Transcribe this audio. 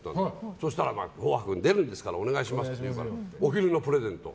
そしたら「紅白」に出るんですからお願いしますって言うから「お昼のプレゼント」